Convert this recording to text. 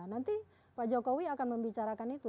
nanti pak jokowi akan membicarakan itu